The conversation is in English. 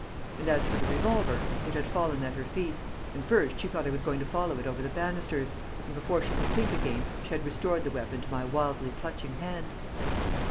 And as for the revolver, it had fallen at her feet, and first she thought I was going to follow it over the banisters, and before she could think again she had restored the weapon to my wildly clutching hand!